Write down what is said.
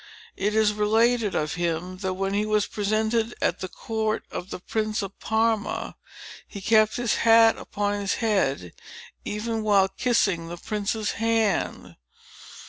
It is related of him, that, when he was presented at the court of the Prince of Parma, he kept his hat upon his head, even while kissing the Prince's hand.